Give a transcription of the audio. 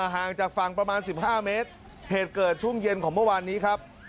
ห่างจากฝั่งประมาณ๑๕เมตรเหตุเกิดช่วงเย็นของเมื่อวานนี้ครับ